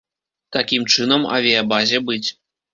Такім чынам, авіябазе быць.